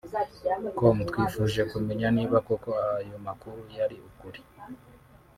com twifuje kumenya niba koko ayo makuru yari ukuri